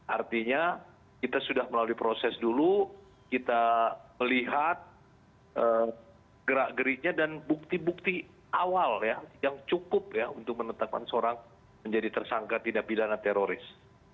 artinya kita sudah melalui proses dulu kita melihat gerak geriknya dan bukti bukti awal ya yang cukup ya untuk menetapkan seorang menjadi tersangka tidak pidana teroris